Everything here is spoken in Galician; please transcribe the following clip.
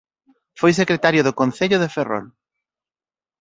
Foi secretario do concello de Ferrol.